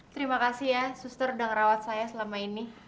terima kasih ya suster udah ngerawat saya selama ini